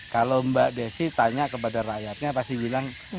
kalau mbak desi tanya kepada rakyatnya pasti bilang